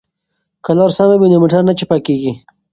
که لار سمه وي نو موټر نه چپه کیږي.